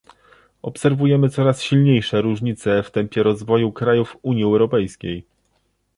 Obserwujemy coraz silniejsze różnice w tempie rozwoju krajów Unii Europejskiej